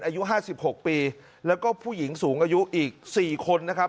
อายุห้าสิบหกปีแล้วก็ผู้หญิงสูงอายุอีกสี่คนนะครับ